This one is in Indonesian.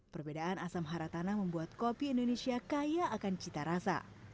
perbedaan asam hara tanah membuat kopi indonesia kaya akan cita rasa